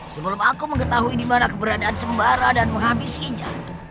sebelum aku mengetahui di mana keberadaan sembara dan menghabisinya